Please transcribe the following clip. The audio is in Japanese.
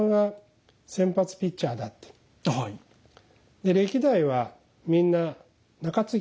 で歴代はみんな中継ぎ。